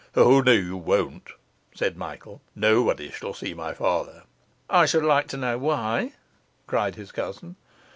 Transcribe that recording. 'O no, you won't,' said Michael. 'Nobody shall see my father.' 'I should like to know why,' cried his cousin.